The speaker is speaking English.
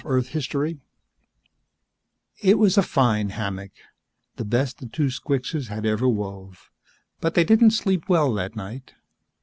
_ It was a fine hammock, the best the two squixes had ever wove. But they didn't sleep well that night.